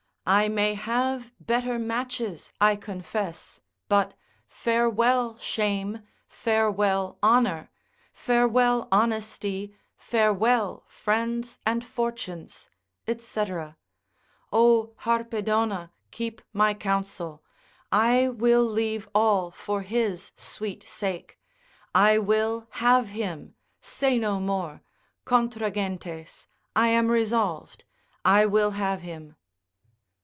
I may have better matches, I confess, but farewell shame, farewell honour, farewell honesty, farewell friends and fortunes, &c. O, Harpedona, keep my counsel, I will leave all for his sweet sake, I will have him, say no more, contra gentes, I am resolved, I will have him.